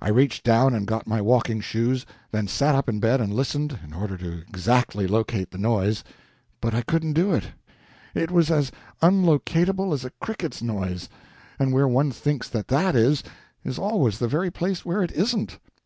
I reached down and got my walking shoes, then sat up in bed and listened, in order to exactly locate the noise. But I couldn't do it; it was as unlocatable as a cricket's noise; and where one thinks that that is, is always the very place where it isn't.